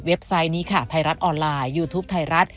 ไซต์นี้ค่ะไทยรัฐออนไลน์ยูทูปไทยรัฐ